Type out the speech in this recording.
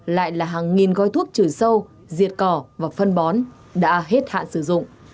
lại là hàng nghìn gói thuốc trừ sâu diệt cỏ và phân bón đã hết hạn sử dụng